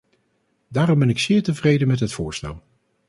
Daarom ben ik zeer tevreden met het voorstel.